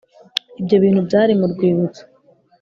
ibyo bintu byari mu rwibutso ,